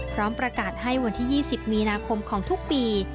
พร้อมประกาศให้วันที่๒๐มีนาคมของทุกปี